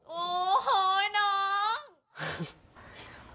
โอ้โหน้อง